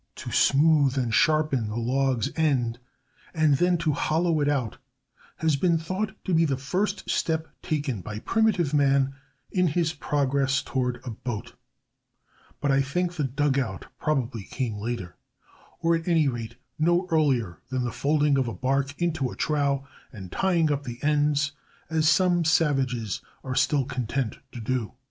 To smooth and sharpen the log's end and then to hollow it out has been thought to be the first step taken by primitive man in his progress toward a boat; but I think the dugout probably came later, or at any rate no earlier, than the folding of bark into a trough and tying up the ends, as some savages are still content to do.